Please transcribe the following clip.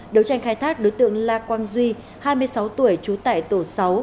đấu tranh khai thác đối tượng la quang duy hai mươi sáu tuổi trú tại tổ sáu